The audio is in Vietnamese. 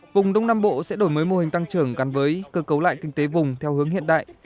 vùng đông nam bộ sẽ đổi mới mô hình tăng trưởng gắn với cơ cấu lại kinh tế vùng theo hướng hiện đại